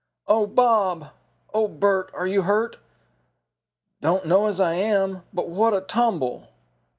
"Oh, Bob!" "Oh, Bert! Are you hurt?" "Don't know as I am. But what a tumble!"